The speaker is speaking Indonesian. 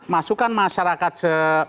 masukkan masyarakat sekecil apapun